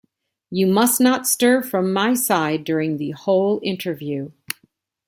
You must not stir from my side during the whole interview.